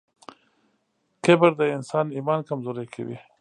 کبر د انسان ایمان کمزوری کوي.